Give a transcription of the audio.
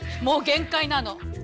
もう限界なの！